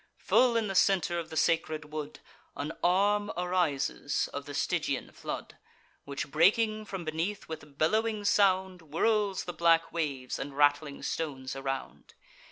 Full in the centre of the sacred wood An arm arises of the Stygian flood, Which, breaking from beneath with bellowing sound, Whirls the black waves and rattling stones around.